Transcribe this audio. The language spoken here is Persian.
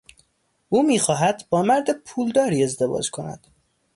او میخواهد با مرد پولداری ازدواج کند.